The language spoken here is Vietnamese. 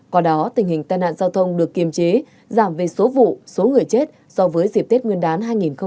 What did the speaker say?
còn đó tình hình tai nạn giao thông được kiềm chế giảm về số vụ số người chết so với dịp tết nguyên đán hai nghìn hai mươi